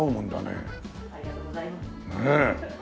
ねえ。